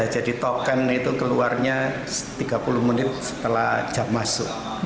jadi token itu keluarnya tiga puluh menit setelah jam masuk